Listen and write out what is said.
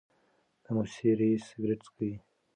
د موسسې رییس سګرټ څکوي.